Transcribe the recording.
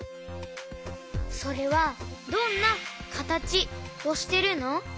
それはどんなかたちをしてるの？